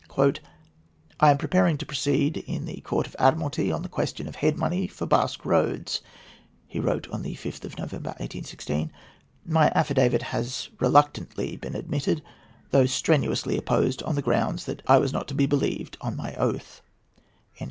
"I am preparing to proceed in the Court of Admiralty on the question of head money for Basque Roads," he wrote on the 5th of November, 1816; "my affidavit has reluctantly been admitted, though strenuously opposed, on the ground that I was not to be believed on my oath!"